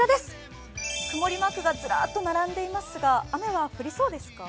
曇りマークがずらっと並んでいますが、雨は降りそうですか？